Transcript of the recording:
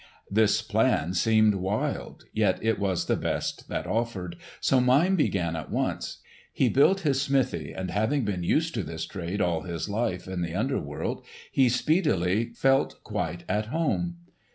This plan seemed wild, yet it was the best that offered, so Mime began at once. He built his smithy, and having been used to this trade all his life in the under world, he speedily felt quite at home.